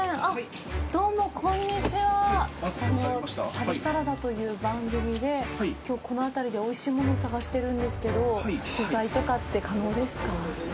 旅サラダという番組できょうこの辺りでおいしいものを探してるんですけど取材とかって可能ですか？